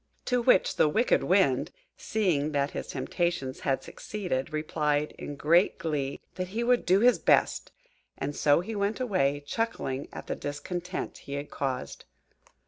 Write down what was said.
To which the wicked Wind, seeing that his temptations had succeeded, replied, in great glee, that he would do his best; and so he went away, chuckling at the discontent he had caused.